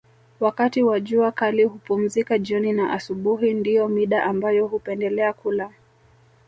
Wakati wa jua kali hupumzika jioni na asubuhi ndio mida ambayo hupendelea kula